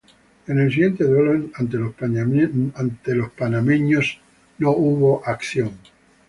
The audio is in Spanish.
En el siguiente duelo ante los panameños no vio acción.